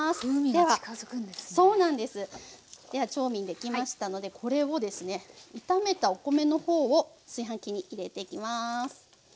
では調味できましたのでこれをですね炒めたお米の方を炊飯器に入れていきます。